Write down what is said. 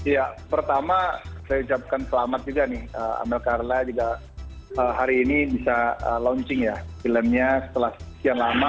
ya pertama saya ucapkan selamat juga nih amel carlla juga hari ini bisa launching ya filmnya setelah sekian lama